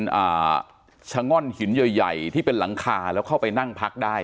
อ่าชะง่อนหินใหญ่ใหญ่ที่เป็นหลังคาแล้วเข้าไปนั่งพักได้